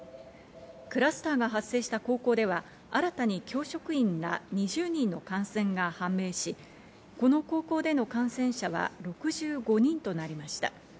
クラスターが発生した高校では、新たに教職員ら２０人の感染が判明し、この高校での感染者は６５人となりました。